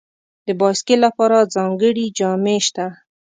د بایسکل لپاره ځانګړي جامې شته.